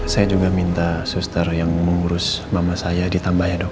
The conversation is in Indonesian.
saya juga minta suster yang mengurus mama saya ditambah ya dok